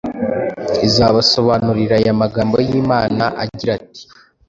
izabasobanurira aya magambo y’Imana agira ati